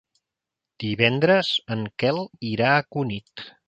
Divendres en Quel irà a Cunit.